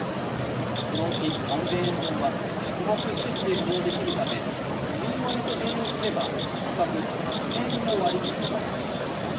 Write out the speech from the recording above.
そのうち３０００円分は宿泊施設で利用できるため都民割と併用すれば１泊８０００円の割引となるんです。